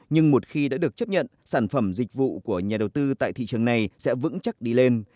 nhưng một khi đã được chấp nhận sản phẩm dịch vụ của nhà đầu tư tại thị trường này sẽ vững chắc đi lên